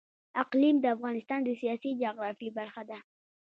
اقلیم د افغانستان د سیاسي جغرافیه برخه ده.